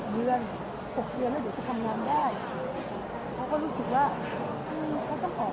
เดือน๖เดือนแล้วเดี๋ยวจะทำงานได้เขาก็รู้สึกว่าเขาต้องออก